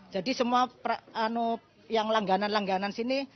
jadi semua yang langganan langganan sini